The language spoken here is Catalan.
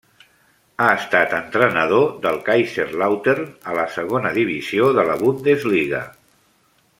Ha estat entrenador del Kaiserslautern a la segona divisió de la Bundesliga.